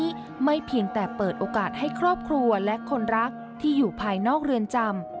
วันนี้ไม่เพียงแต่เปิดโอกาสให้ครอบครัวและคนรักที่อยู่ภายนอกเรือนจำ